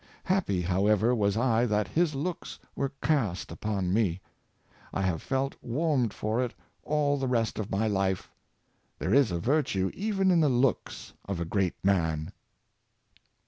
Happy, however, was I that his looks were cast upon me. I have felt warmed for it all the rest of my life. There is a virtue even in the looks of a great man."